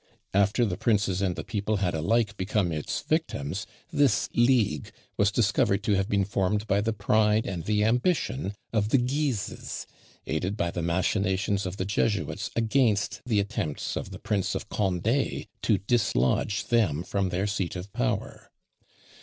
After the princes and the people had alike become its victims, this "league" was discovered to have been formed by the pride and the ambition of the Guises, aided by the machinations of the Jesuits against the attempts of the Prince of Condé to dislodge them from their "seat of power."